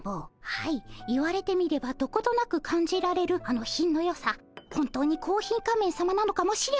はい言われてみればどことなく感じられるあの品のよさ本当にコーヒー仮面さまなのかもしれません。